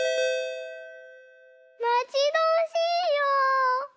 まちどおしいよ！